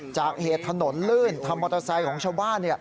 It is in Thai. จากเหตุถนนลื่นทำมอเตอร์ไซค์ของชาวบ้าน